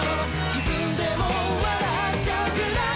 自分でも笑っちゃうくらい」